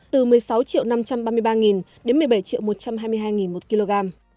từ một mươi sáu triệu năm trăm ba mươi ba đến một mươi bảy một trăm hai mươi hai đồng một kg